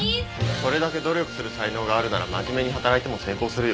それだけ努力する才能があるなら真面目に働いても成功するよ。